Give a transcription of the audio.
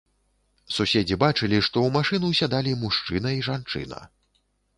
Суседзі бачылі, што ў машыну сядалі мужчына і жанчына.